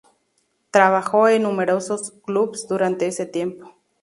Trabajó en numerosos clubs durante ese tiempo.